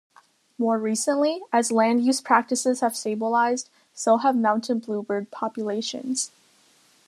More recently, as land-use practices have stabilized, so have Mountain Bluebird populations.